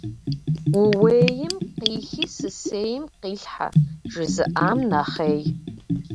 «Ууейм къихи сысейм къилъхьэ» - жызыӀам нэхъей.